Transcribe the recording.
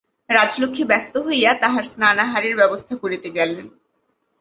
রাজলক্ষ্মী ব্যস্ত হইয়া তাঁহার স্নানাহারের ব্যবস্থা করিতে গেলেন।